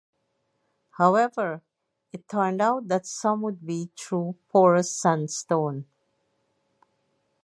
However, it turned out that some would be through porous sandstone.